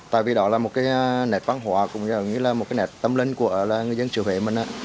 tại vì đó là một cái nét văn hóa cũng như là một cái nét tâm linh của người dân xứ huế mình á